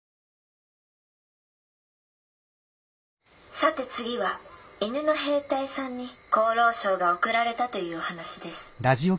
「さて次は犬の兵隊さんに功労賞が贈られたというお話です」。